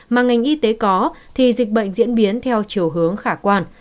mà ngành y tế có thì dịch bệnh diễn biến theo chiều hướng khả quan